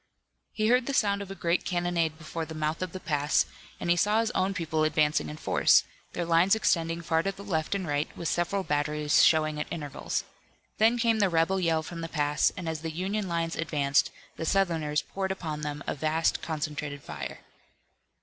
He heard the sound of a great cannonade before the mouth of the pass, and he saw his own people advancing in force, their lines extending far to the left and right, with several batteries showing at intervals. Then came the rebel yell from the pass and as the Union lines advanced the Southerners poured upon them a vast concentrated fire.